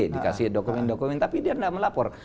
dikasih dokumen dokumen tapi dia tidak melapor